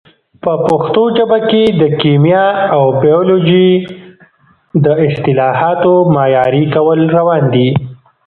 په پښتو ژبه کې د کیمیا او بیولوژي د اصطلاحاتو معیاري کول روان دي.